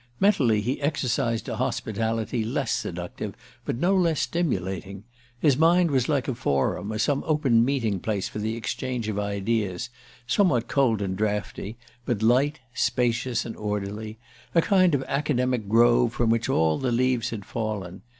Mentally he exercised a hospitality less seductive but no less stimulating. His mind was like a forum, or some open meeting place for the exchange of ideas: somewhat cold and draughty, but light, spacious and orderly a kind of academic grove from which all the leaves had fallen.